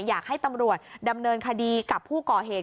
อยากให้ตำรวจดำเนินคดีกับผู้ก่อเหตุ